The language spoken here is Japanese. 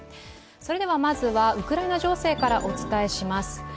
それでは、まずはウクライナ情勢からお伝えします。